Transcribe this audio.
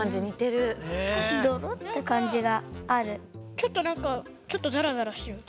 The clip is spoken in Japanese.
ちょっとなんかちょっとザラザラしてる。